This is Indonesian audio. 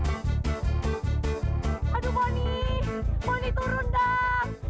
aduh boni boni turun dong